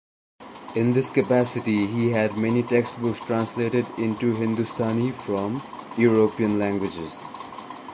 In this capacity he had many textbooks translated into Hindustani from European languages.